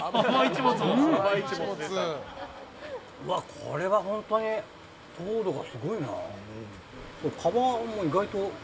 これは本当に、糖度がすごいな。